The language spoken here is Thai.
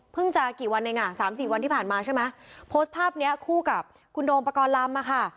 เพิ่งจะ๓๔วันที่ผ่านมาใช่ไหมโพสต์ภาพนี้คู่กับคุณโดมปกรรมลำค่ะ